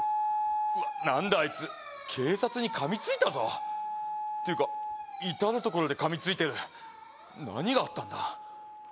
うわっ何だあいつ警察に噛みついたぞていうか至る所で噛みついてる何があったんだ？